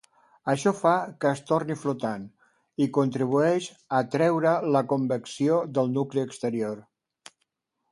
Això fa que es torni flotant, i contribueix a traure la convecció del nucli exterior.